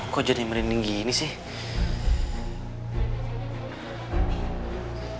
kok jadi merinding gini sih